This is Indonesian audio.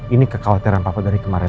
ini kekhawatiran papua dari kemarin